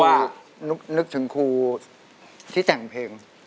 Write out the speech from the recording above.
นึกถึงครูที่แต่งเพลง